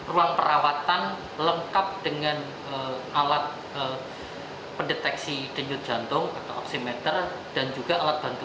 ruang perawatan lengkap dengan alat pendeteksi denyut jantung atau oksimeter dan juga alat bantu